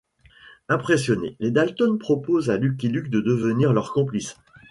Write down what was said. Impressionnés, les Dalton proposent à Lucky Luke de devenir leur complice.